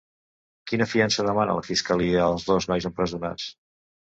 Quina fiança demana la fiscalia als dos nois empresonats?